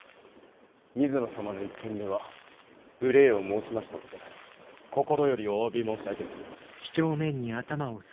水野様の一件では無礼を申しましたこと心よりお詫び申し上げます。